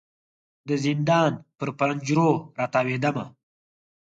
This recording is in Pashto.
د زندان پر پنجرو را تاویدمه